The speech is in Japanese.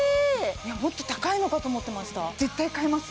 もっと高いのかと思ってました絶対買います